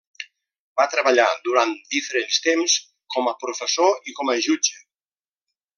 Va treballar durant diferents temps com a professor i com a jutge.